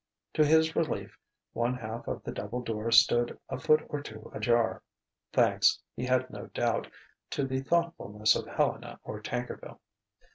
To his relief one half of the double door stood a foot or two ajar thanks, he had no doubt, to the thoughtfulness of Helena or Tankerville.